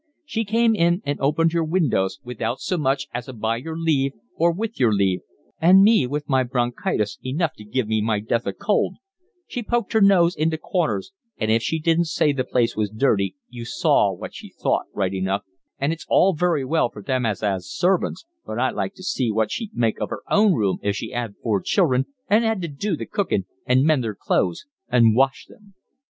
She came in and opened your windows without so much as a by your leave or with your leave, 'and me with my bronchitis, enough to give me my death of cold;' she poked her nose into corners, and if she didn't say the place was dirty you saw what she thought right enough, 'an' it's all very well for them as 'as servants, but I'd like to see what she'd make of 'er room if she 'ad four children, and 'ad to do the cookin', and mend their clothes, and wash them.